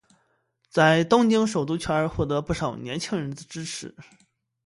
在东京首都圈获得不少年轻人支持。